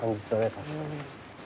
確かに。